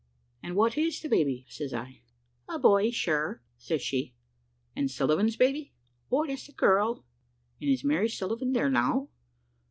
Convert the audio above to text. "`And what is the baby?' says I. "`A boy, sure,' says she. "`And Sullivan's baby?' "`That's a girl.' "`And is Mary Sullivan there now?'